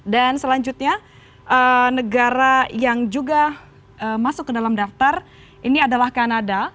dan selanjutnya negara yang juga masuk ke dalam daftar ini adalah canada